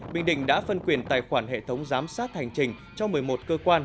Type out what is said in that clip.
bình định đã phân quyền tài khoản hệ thống giám sát hành trình cho một mươi một cơ quan